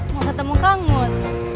mau ketemu kang bus